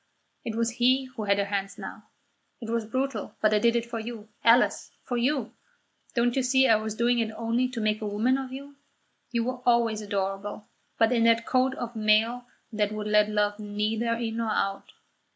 It was he who had her hands now. "It was brutal, but I did it for you, Alice for you. Don't you see I was doing it only to make a woman of you? You were always adorable, but in a coat of mail that would let love neither in nor out.